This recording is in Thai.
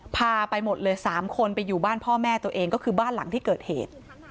พาไปหมดเลย๓คนไปอยู่บ้านพ่อแม่ตัวเองก็คือบ้านหลังที่เกิดเหตุ